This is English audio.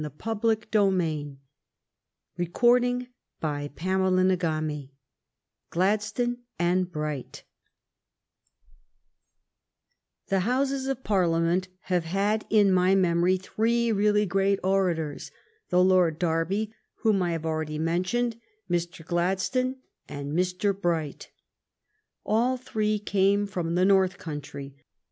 (From a pholoEiaph by Maull & Fox, LopdonJ CHAPTER XIV GLADSTONE AND BRIGHT The Houses of Parliament have had in my memory three really great orators: the Lord Derby whom I have already mentioned, Mr. Glad stone, and Mr. Bright. All three came from the " North Countree."